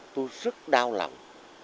tôi rất đau lòng